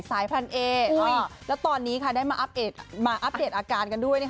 สายพันเออุ้ยแล้วตอนนี้ค่ะได้มาอัปเดตมาอัปเดตอาการกันด้วยนะคะ